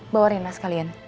bawa renang sekalian